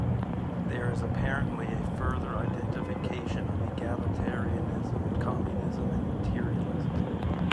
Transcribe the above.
There is apparently a further identification of egalitarianism, communism, and materialism.